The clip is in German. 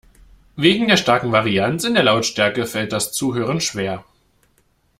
Wegen der starken Varianz in der Lautstärke fällt das Zuhören schwer.